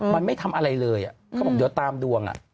มันไม่ทำอะไรเลยเขาบอกเดี๋ยวตามดวง